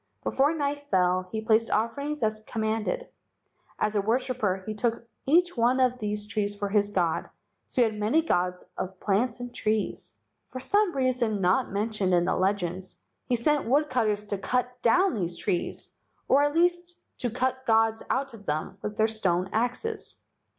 Before night fell he placed offerings as com¬ manded. As a worshipper he took each one of these trees for his god, so he had many gods of plants and trees. For some reason not mentioned in the legends he sent woodcutters to cut down these trees, or at least to cut gods out of them with their stone axes.